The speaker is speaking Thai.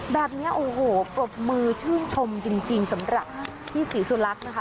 แบบนี้โอ้โหปรบมือชื่นชมจริงสำหรับพี่ศรีสุลักษณ์นะคะ